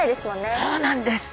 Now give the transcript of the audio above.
そうなんです。